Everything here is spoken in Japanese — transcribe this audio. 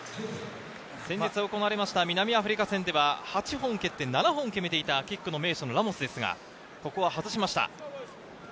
先日行われた南アフリカ戦では８本蹴って７本決めていたキックの名手ラモスですが、ここは外しました。